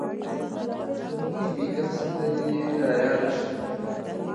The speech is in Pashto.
د موني بیګم سندره یې ریاده شي.